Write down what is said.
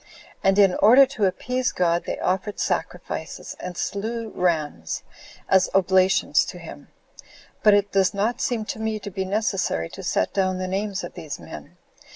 And in order to appease God, they offered sacrifices, and slew rams, as oblations to him; but it does not seem to me to be necessary to set down the names of these men.